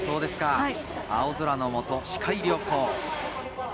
青空の下、視界良好。